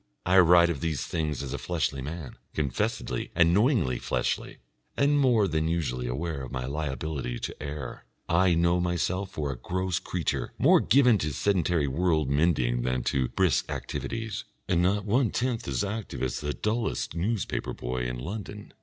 I write of these things as a fleshly man, confessedly and knowingly fleshly, and more than usually aware of my liability to err; I know myself for a gross creature more given to sedentary world mending than to brisk activities, and not one tenth as active as the dullest newspaper boy in London.